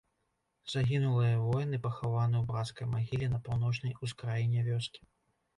Загінулыя воіны пахаваны ў брацкай магіле на паўночнай ускраіне вёскі.